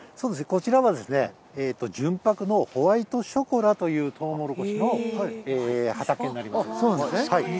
こちらは純白のホワイトショコラというトウモロコシの畑になそうなんですね。